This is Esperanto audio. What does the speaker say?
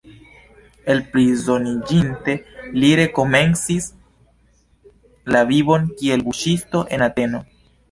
Elprizoniĝinte, li rekomencis la vivon kiel buĉisto en Ateno.